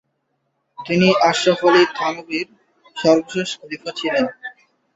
তিনি আশরাফ আলী থানভীর সর্বশেষ খলিফা ছিলেন।